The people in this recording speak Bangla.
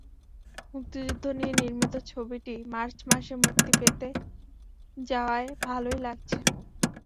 মুক্তিযুদ্ধ নিয়ে নির্মিত ছবিটি মার্চ মাসে মুক্তি পেতে যাওয়ায় ভালোই লাগছে।